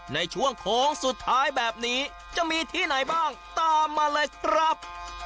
ในช่วงโค้งสุดท้ายแบบนี้จะมีที่ไหนบ้างตามมาเลยครับ